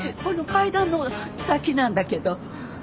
この階段の先なんだけど。